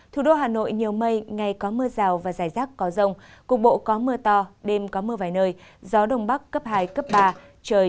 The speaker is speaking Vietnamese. thủ đô hà nội nhớ mừng các bạn đã theo dõi